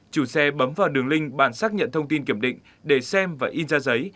chủ xe bấm vào đường link bàn xác nhận thông tin kiểm định để xem và in ra giấy